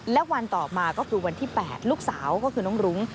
และวันต่อมาก็คือวันที่๘ลูกสาวก็คือน้องรุ้ง